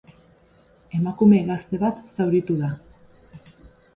Emakume gazte bat zauritu da.